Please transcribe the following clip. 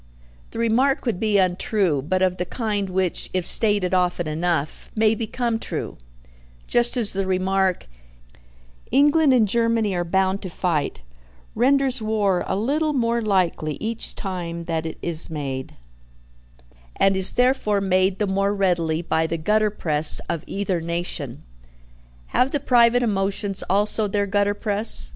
The remark would be untrue, but of the kind which, if stated often enough, may become true; just as the remark, "England and Germany are bound to fight," renders war a little more likely each time that it is made, and is therefore made the more readily by the gutter press of either nation. Have the private emotions also their gutter press?